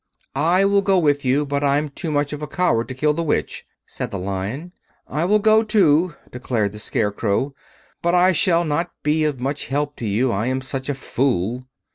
"I will go with you; but I'm too much of a coward to kill the Witch," said the Lion. "I will go too," declared the Scarecrow; "but I shall not be of much help to you, I am such a fool."